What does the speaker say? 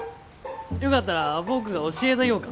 よかったら僕が教えたぎょうか。